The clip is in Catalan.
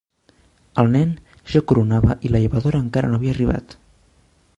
El nen ja coronava i la llevadora encara no havia arribat.